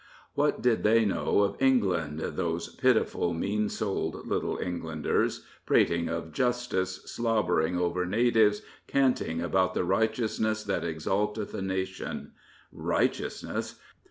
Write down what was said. What did they know of England, those pitiful, mean souled Little Englanders, prating of justice, slobtiering over natives, canting about the " righteousness that exalteth a nation Righteousness